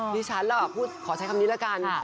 ดิฉันล่ะขอใช้คำนี้ละกัน